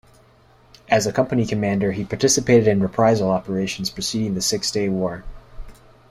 As a company commander, he participated in reprisal operations preceding the Six Day War.